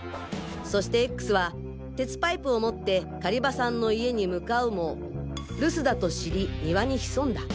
そしてＸは鉄パイプを持って狩場さんの家に向かうも留守だと知り庭に潜んだ。